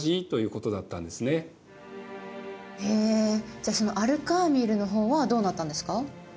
じゃあそのアル・カーミルの方はどうなったんですか？